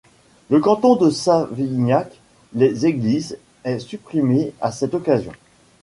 Le canton de Savignac-les-Églises est supprimé à cette occasion.